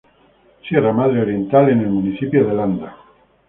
Sierra Madre Oriental en el municipio de Landa.